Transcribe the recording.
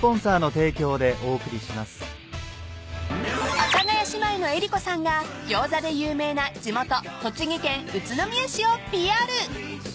［阿佐ヶ谷姉妹の江里子さんがギョーザで有名な地元栃木県宇都宮市をＰＲ］